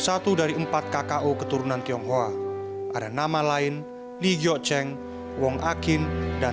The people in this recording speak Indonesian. ada yang setiap hari menj lectures karena ada